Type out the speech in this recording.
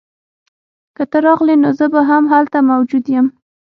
که ته راغلې نو زه به هم هلته موجود یم